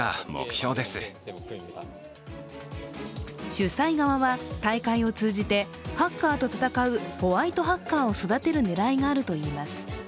主催側は大会を通じてハッカーと戦うホワイトハッカーを育てる狙いがあるといいます。